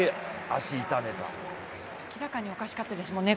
明らかにおかしかったですもんね